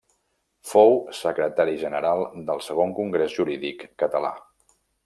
Fou secretari general del Segon Congrés Jurídic Català.